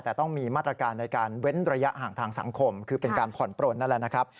แต่ต้องมีมาตรการในการเว้นระยะห่างทางสังคมคือเป็นการผ่อนปลนนั่นแหละนะครับ